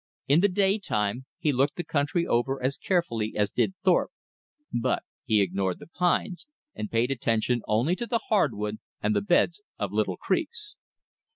In the day time he looked the country over as carefully as did Thorpe. But he ignored the pines, and paid attention only to the hardwood and the beds of little creeks.